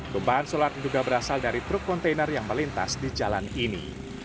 tumpahan solar diduga berasal dari truk kontainer yang melintas di jalan ini